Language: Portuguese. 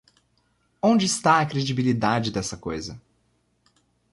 Onde está a credibilidade dessa coisa?